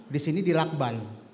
di sini di lakban